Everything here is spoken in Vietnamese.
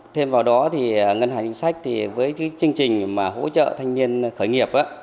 thêm vào đó thì ngân hàng chính sách thì với cái chương trình mà hỗ trợ thanh niên khởi nghiệp